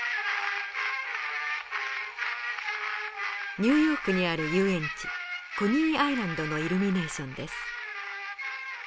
ニューヨークにある遊園地コニーアイランドのイルミネーションです。